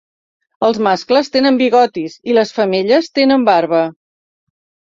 Els mascles tenen bigotis i les femelles tenen barba.